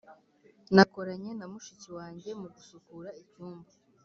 nakoranye na mushiki wanjye mu gusukura icyumba.